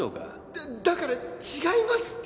だだから違いますって！